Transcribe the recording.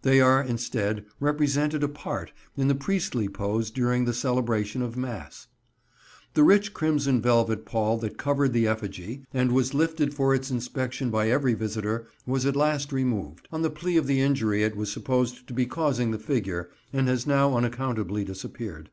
They are, instead, represented apart, in the priestly pose during the celebration of mass. The rich crimson velvet pall that covered the effigy and was lifted for its inspection by every visitor, was at last removed, on the plea of the injury it was supposed to be causing the figure, and has now unaccountably disappeared.